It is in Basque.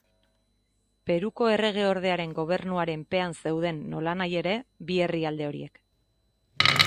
Peruko erregeordearen gobernuaren pean zeuden, nolanahi ere, bi herrialde horiek.